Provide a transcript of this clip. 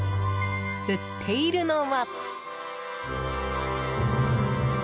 売っているのは。